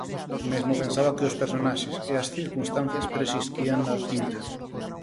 Mesmo pensaba que os personaxes e as circunstancias preexistían na tinta.